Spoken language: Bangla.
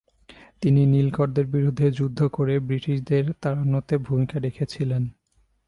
তিনি নীলকরদের বিরুদ্ধে যুদ্ধ করে ব্রিটিশদের তাড়ানোতে ভূমিকা রেখেছিলেন।